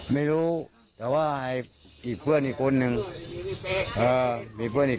พอเขาโดนฟาดที่ไทยทอยแล้วนี่